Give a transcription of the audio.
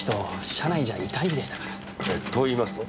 社内じゃ異端児でしたから。と言いますと？